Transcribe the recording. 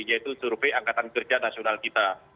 yaitu survei angkatan kerja nasional kita